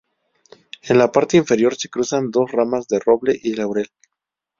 En la parte inferior se cruzan dos ramas de roble y laurel.